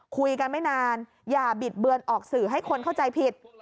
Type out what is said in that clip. คุยกันไม่นานอย่าบิดเบือนออกสื่อให้คนเข้าใจผิด